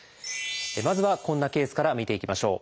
まずはこんなケースから見ていきましょう。